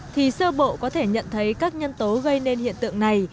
thì sơ bộ có thể nhận thấy các nhân tố gây nên hiện tượng này